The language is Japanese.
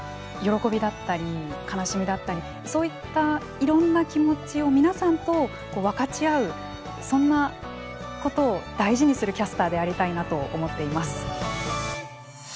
喜びだったり悲しみだったりそういったいろんな気持ちを皆さんと分かち合うそんなことを大事にするキャスターでありたいなと思っています。